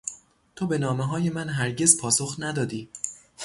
تو به نامههای من هرگز پاسخ ندادی.